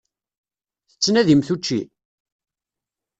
Tettnadimt učči?